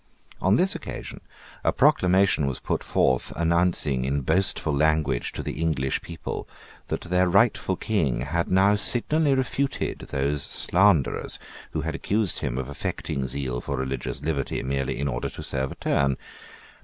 On this occasion a proclamation was put forth announcing in boastful language to the English people that their rightful King had now signally refuted those slanderers who had accused him of affecting zeal for religious liberty merely in order to serve a turn.